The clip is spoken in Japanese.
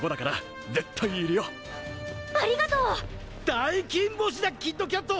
大金星だキッドキャット！